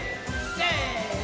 せの！